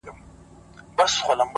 ته زموږ زړونه را سپين غوندي کړه’